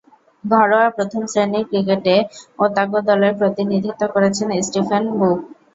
ঘরোয়া প্রথম-শ্রেণীর ক্রিকেটে ওতাগো দলের প্রতিনিধিত্ব করেছেন স্টিফেন বুক।